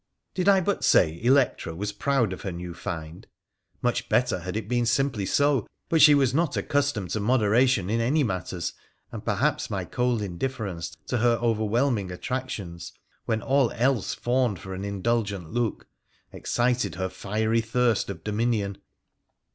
Did I but say Electra was proud of her new find ? Much' better had it been simply so ; but she was not accustomed to moderation in any matters, and perhaps my cold indifference to her overwhelming attractions, when all else fawned for an indulgent look, excited her fiery thirst of dominion.